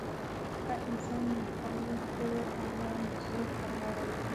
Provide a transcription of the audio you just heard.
هر انسان د خپلو کړو اعمالو مسؤلیت پر غاړه لري.